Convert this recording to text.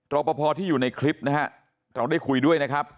รอปภที่อยู่ในคลิปนะฮะเราได้คุยด้วยนะครับ